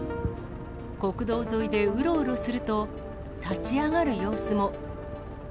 国道沿いでうろうろすると、立ち上がる様子も。